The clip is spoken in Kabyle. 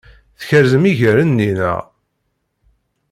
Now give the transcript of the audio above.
Tkerzem iger-nni, naɣ?